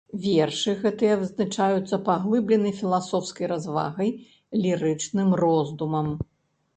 Вершы гэтыя вызначаюцца паглыбленай філасофскай развагай, лірычным роздумам.